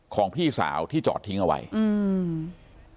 ของพี่สาวที่จอดทิ้งเอาไว้อืม